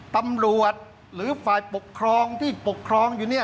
ตำรวจหรือฝ่ายปกครองที่ปกครองอยู่เนี่ย